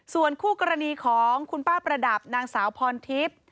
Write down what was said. ส่วนคู่กรณีของคุณป้าประดับนางสาวพรทิพย์